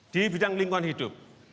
di bidang lingkungan hidup